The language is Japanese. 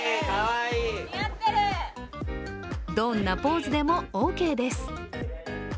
どんなポーズでもオーケーです。